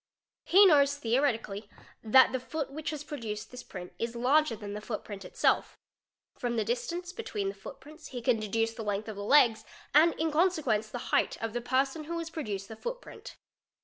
He knows theoretically that the foot which has produced this print is larger than the footprint itself, from the distance between the footprints he can deduce the length of the legs, and in consequence the height, of the person who has produced the footprint.